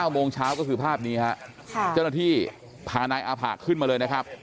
โมงเช้าก็คือภาพนี้ฮะเจ้าหน้าที่พานายอาผะขึ้นมาเลยนะครับ